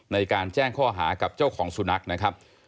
ในการแจ้งข้อหากับเจ้าของสุนัขนะครับ